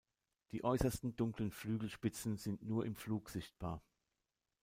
Die äußersten, dunklen Flügelspitzen sind nur im Flug sichtbar.